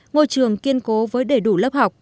ngôi trường kiên cố với đầy đủ lớp học